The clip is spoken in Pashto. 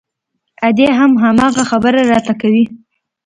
ادې هم هماغه خبرې راته کوي.